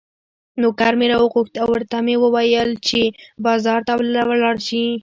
نوکر مې راوغوښت او ورته مې وویل چې بازار ته دې ولاړ شي.